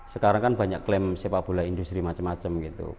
sekarang kan banyak klaim sepak bola industri macam macam gitu